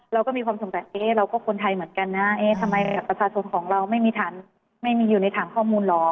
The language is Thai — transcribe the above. เราก็มีความสงสัยเอ๊ะเราก็คนไทยเหมือนกันนะเอ๊ะทำไมบัตรประชาชนของเราไม่มีอยู่ในถามข้อมูลหรอ